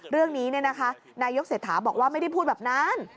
เรื่องนี้นายกเศรษฐาบอกว่าไม่ได้พูดแบบนั้น